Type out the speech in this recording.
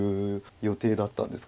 予定だったんですか。